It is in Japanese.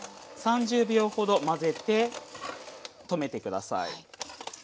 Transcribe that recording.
３０秒ほど混ぜて止めてください。